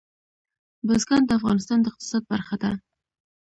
بزګان د افغانستان د اقتصاد برخه ده.